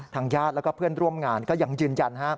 ทางญาติและเพื่อนร่วมงานก็ยังยืนยัน